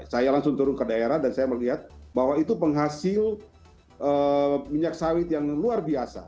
saya langsung turun ke daerah dan saya melihat bahwa itu penghasil minyak sawit yang luar biasa